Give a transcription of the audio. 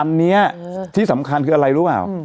อันนี้ที่สำคัญคืออะไรรู้กันมั้ย